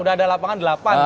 udah ada lapangan delapan